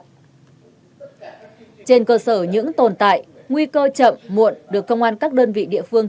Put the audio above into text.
trên cơ sở những tồn tại nguy cơ chậm muộn được công an các đơn vị địa phương